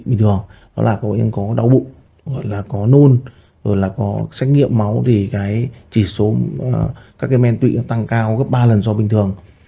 bình thường là có đau bụng có nôn rồi là có xét nghiệm máu thì chỉ số các men tụy tăng cao gấp ba lần so với bình thường